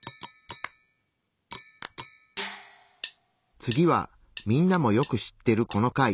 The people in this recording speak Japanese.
次はみんなもよく知ってるこの貝。